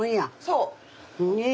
そう。